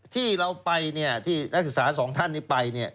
ที่เราไปที่นักศึกษาสองท่านนี้ไป